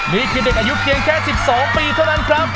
นี่คือเด็กอายุเพียงแค่๑๒ปีเท่านั้นครับ